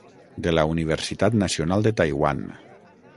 de la Universitat Nacional de Taiwan.